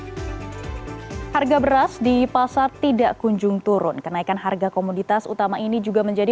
hai harga beras di pasar tidak kunjung turun kenaikan harga komoditas utama ini juga menjadi